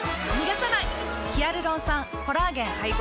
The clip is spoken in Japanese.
ヒアルロン酸・コラーゲン配合。